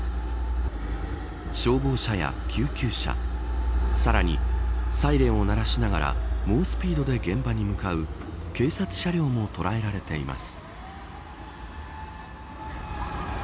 消防車や救急車さらに、サイレンを鳴らしながら猛スピードで現場に向かう警察車両も捉えられています。